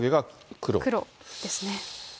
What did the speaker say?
黒ですね。